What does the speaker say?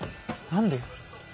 何で。